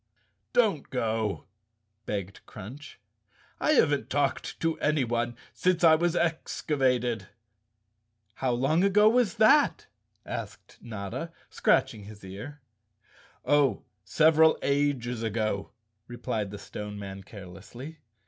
"Don't go," begged Crunch. "I haven't talked to anyone since I was excavated." "How long ago was that?" asked Notta, scratching his ear. "Oh, several ages ago," replied the Stone Man care¬ lessly.